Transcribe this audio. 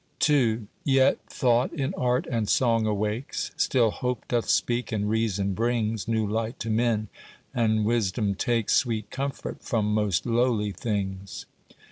II Yet Thought in Art and Song awakes; Still Hope doth speak, and Reason brings New light to men, and Wisdom takes Sweet comfort from most lowly things.